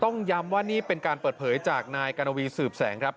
ย้ำว่านี่เป็นการเปิดเผยจากนายกรณวีสืบแสงครับ